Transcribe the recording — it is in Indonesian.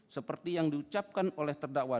seperti yang diucapkan oleh terdakwa